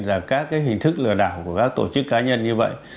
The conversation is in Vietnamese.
những chiêu thức lừa đảo của các tổ chức cá nhân như vậy